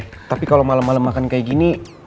gak enak kalau malem malem makan kayak gini